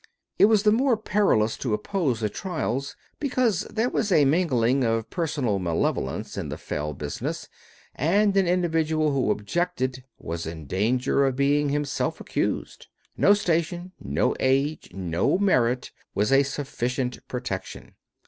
It was the more perilous to oppose the trials because there was a mingling of personal malevolence in the fell business, and an individual who objected was in danger of being himself accused. No station, no age, no merit, was a sufficient protection.